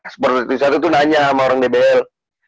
seperti tujuh satu tuh nanya sama orang dbl